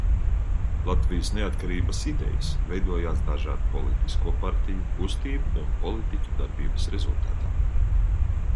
Latvijas neatkarības idejas veidojās dažādu politisko partiju, kustību un politiķu darbības rezultātā.